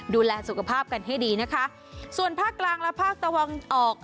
ดูแลสุขภาพกันให้ดีนะคะส่วนภาคกลางและภาคตะวันออก